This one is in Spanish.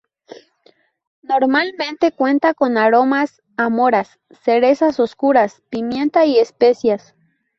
Normalmente cuenta con aromas a moras, cerezas oscuras, pimienta y especias.